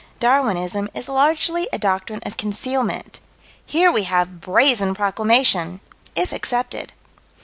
Darwinism is largely a doctrine of concealment: here we have brazen proclamation if accepted.